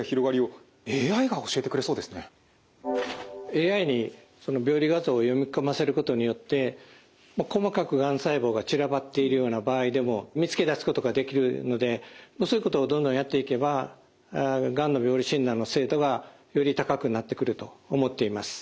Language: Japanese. ＡＩに病理画像を読み込ませることによって細かくがん細胞が散らばっているような場合でも見つけ出すことができるのでそういうことをどんどんやっていけばがんの病理診断の精度がより高くなってくると思っています。